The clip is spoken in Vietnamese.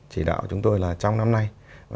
chỉ đạo chúng tôi là trong năm nay